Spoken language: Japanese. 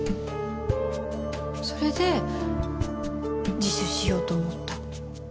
それで自首しようと思った？